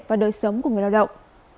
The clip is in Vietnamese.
và đời sống của người lao động